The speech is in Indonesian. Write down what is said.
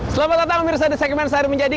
selamat datang mirsa di segmen sehari menjadi